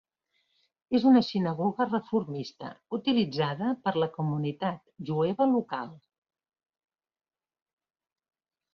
És una sinagoga reformista, utilitzada per la comunitat jueva local.